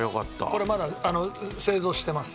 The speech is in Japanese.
これまだ製造してます。